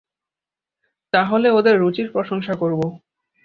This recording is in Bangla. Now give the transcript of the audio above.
তা হলে ওদের রুচির প্রশংসা করব।